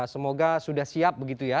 semoga sudah siap begitu ya